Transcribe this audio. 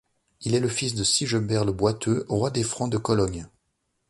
Il est fils de Sigebert le Boiteux, roi des Francs de Cologne.